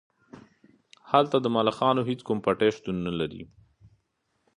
هلته د ملخانو هیڅ کوم پټی شتون نلري